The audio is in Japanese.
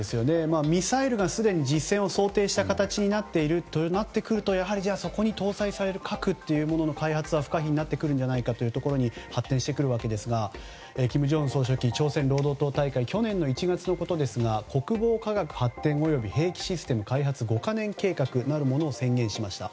ミサイルがすでに実戦を想定した形になってくるとやはり、そこに搭載される核の開発は開発は不可避になってくるんじゃないかというところに発展してくるわけですが金正恩総書記、朝鮮労働党大会去年の１月のことですが国防科学発展及び兵器システム開発５か年計画なるものを宣言しました。